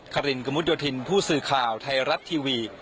ครินกระมุดโยธินผู้สื่อข่าวไทยรัฐทีวี